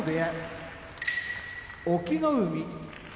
隠岐の海